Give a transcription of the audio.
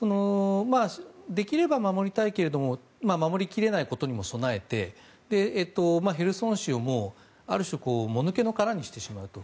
できれば守りたいけれども守り切れないことにも備えて、ヘルソン州をある種、もぬけの殻にすると。